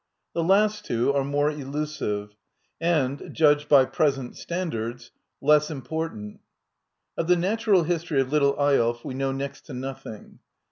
The last two are more elu sive, and, judged by present standards, less im portant. ^ Of the natural history of " Little Eyolf " wc know next to nothing.